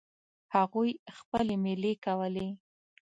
هغوی خپلې میلې کولې.